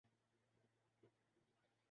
آج ملک میں بے شمار پارٹیاں